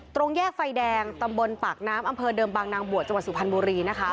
ตรงแยกไฟแดงตำบลปากน้ำอำเภอเดิมบางนางบวชจังหวัดสุพรรณบุรีนะคะ